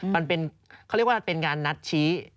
เขาเรียกว่าเป็นการนัดชี้